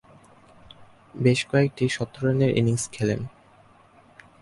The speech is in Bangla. বেশ কয়েকটি শতরানের ইনিংস খেলেন।